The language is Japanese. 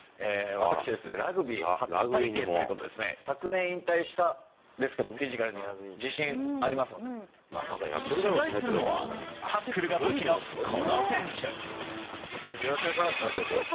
私、ラグビー初体験ということでですね、昨年引退したんですけれども、フィジカルには自信ありま取材するのは、タックルが武よろしくお願いします。